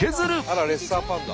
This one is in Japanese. あらレッサーパンダ。